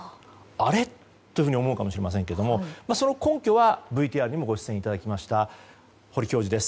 あれ？と思うかもしれませんが根拠はＶＴＲにもご出演していただいた堀教授。